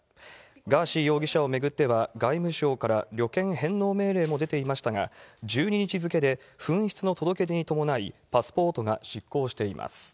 ガーシー容疑者を巡っては、外務省から旅券返納命令も出ていましたが、１２日付で紛失の届け出に伴い、パスポートが失効しています。